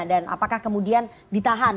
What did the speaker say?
dan apakah kemudian ditahan